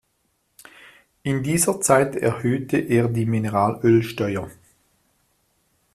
In dieser Zeit erhöhte er die Mineralölsteuer.